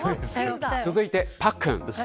続いて、パックン。